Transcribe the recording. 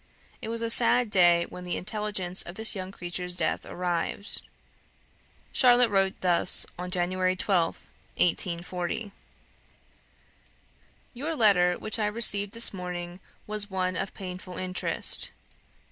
It was a sad day when the intelligence of this young creature's death arrived. Charlotte wrote thus on January 12th, 1840: "Your letter, which I received this morning, was one of painful interest.